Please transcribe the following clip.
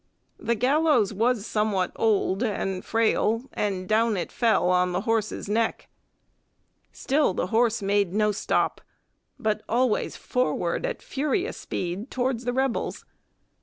The gallows was somewhat old and frail, and down it fell on the horse's neck. Still the horse made no stop, but always forward at furious speed towards the rebels.